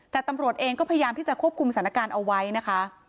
แต่ตำรวจเองก็พยายามที่จะควบคุมสถานการณ์เอาไว้นะคะ